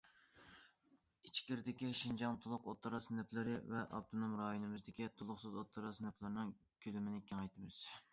ئىچكىرىدىكى شىنجاڭ تولۇق ئوتتۇرا سىنىپلىرى ۋە ئاپتونوم رايونىمىزدىكى تولۇقسىز ئوتتۇرا سىنىپلىرىنىڭ كۆلىمىنى كېڭەيتىمىز.